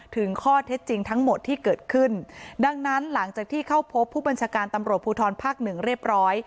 ถึงข้อเท็จจริงทั้งหมดที่เกิดขึ้นดังนั้นหลังจากที่เข้าพบผู้บัญชาการตำรวจภูทรภาคหนึ่งเรียบร้อย